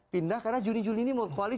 pindah karena juni juni ini mau risafalan